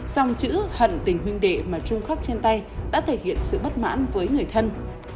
dòng chữ hẩn tình huynh đệ mà trung khóc trên tay đã thể hiện sự bất mãn với người thân